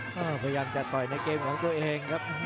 พยายามจะต่อยในเกมของตัวเองครับ